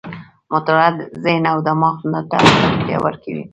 مطالعه ذهن او دماغ ته پراختیا ورکوي.